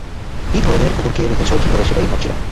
এই ধরণের কুকুরকে রেখেছো কীভাবে সেটাই ভাবছিলাম।